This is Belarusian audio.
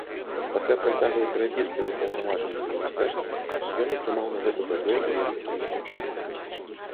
Пасля працяглай перапіскі з упаўнаважаным міністэрствам ён атрымаў на гэта дазвол у якасці выключэння.